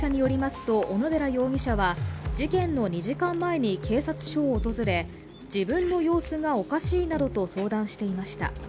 捜査関係者によりますと、小野寺容疑者は事件の２時間前に警察署を訪れ、自分の様子がおかしいなどと相談していました。